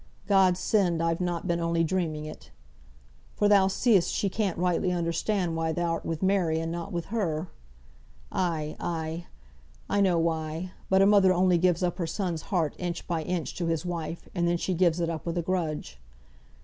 God send I've not been only dreaming it!' For thou see'st she can't rightly understand why thou'rt with Mary, and not with her. Ay, ay! I know why; but a mother only gives up her son's heart inch by inch to his wife, and then she gives it up with a grudge.